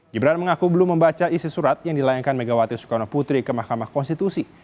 gibran mengaku belum membaca isi surat yang dilayangkan megawati sukarno putri ke mahkamah konstitusi